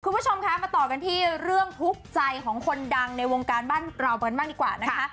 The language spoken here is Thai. คุณผู้ชมคะมาต่อกันที่เรื่องทุกข์ใจของคนดังในวงการบ้านเราเบิร์นบ้างดีกว่านะคะ